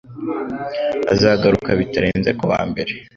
Azagaruka bitarenze kuwa mbere.